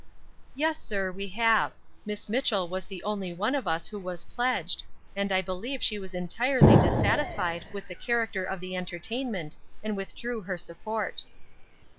"Yes, sir, we have. Miss Mitchell was the only one of us who was pledged; and I believe she was entirely dissatisfied with the character of the entertainment, and withdrew her support."